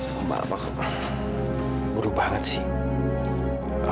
non gak usah mikirin soal itu ya